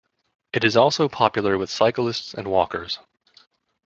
It is also popular with cyclists and walkers.